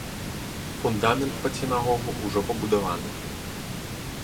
Фундамент пад сінагогу ўжо пабудаваны.